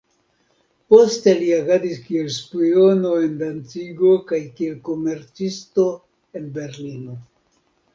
Poste li agadis kiel spiono en Dancigo kaj kiel komercisto en Berlino.